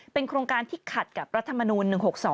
โครงการที่ขัดกับรัฐมนูล๑๖๒